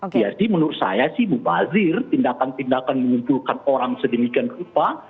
menurut saya sih mubazir tindakan tindakan mengumpulkan orang sedemikian rupa